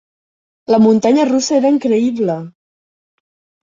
La muntanya russa era increïble!